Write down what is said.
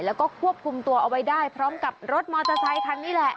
แล้วก็ควบคุมตัวเอาไว้ได้พร้อมกับรถมอเตอร์ไซคันนี้แหละ